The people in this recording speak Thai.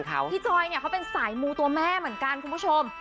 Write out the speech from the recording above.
พี่จอยเนี่ยเขาเป็นสายมูตัวแม่เหมือนกันคุณผู้ชม